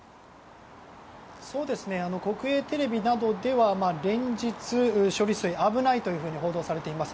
国営テレビなどでは連日処理水危ないというふうに報道されています。